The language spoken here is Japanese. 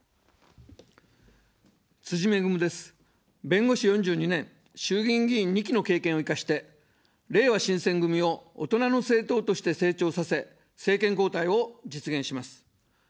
弁護士４２年、衆議院議員２期の経験を生かして、れいわ新選組を大人の政党として成長させ、政権交代を実現します。